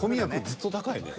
ずっと高いね］